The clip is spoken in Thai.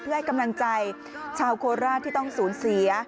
เพื่อให้กำลังใจชาวโคราชที่ต้องสูญเสีย